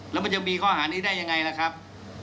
แล้วมันจะมีข้อหานี้ได้ยังไงล่ะครับ